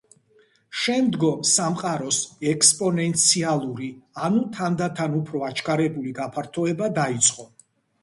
შემდგომ, სამყაროს ექსპონენციალური, ანუ თანდათან უფრო აჩქარებული გაფართოება დაიწყო.